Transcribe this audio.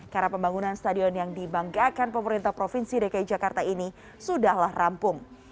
karena pembangunan stadion yang dibanggakan pemerintah provinsi dki jakarta ini sudahlah rampung